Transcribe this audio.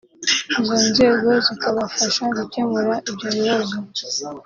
izo nzego zikabafasha gukemura ibyo bibazo”